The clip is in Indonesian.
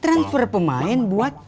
transfer pemain buat selby